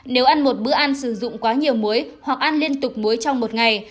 nếu ăn một bữa ăn sử dụng quá nhiều muối hoặc ăn liên tục muối trong một ngày